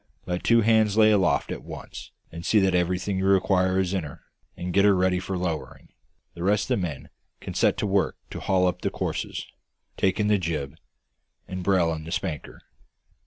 Let two hands lay aft at once and see that everything you require is in her, and get her ready for lowering. The rest of the men can set to work to haul up the courses, take in the jib, and brail in the spanker.